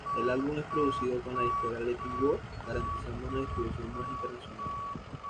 El álbum es producido con la disquera Latin World, garantizando una distribución más internacional.